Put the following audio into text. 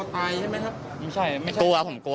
เขาไม่กลัวตายใช่ไหมครับ